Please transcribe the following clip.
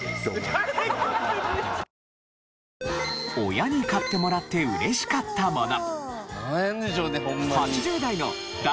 親に買ってもらって嬉しかったもの。